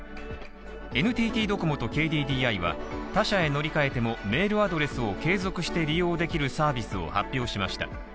ＮＴＴドコモとＫＤＤＩは、他社へ乗り換えても、メールアドレスを継続して利用できるサービスを発表しました。